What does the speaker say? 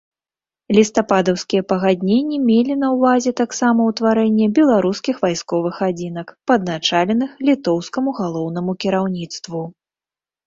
Лістападаўскія пагадненні мелі на ўвазе таксама ўтварэнне беларускіх вайсковых адзінак, падначаленых літоўскаму галоўнаму кіраўніцтву.